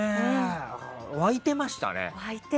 沸いてましたね。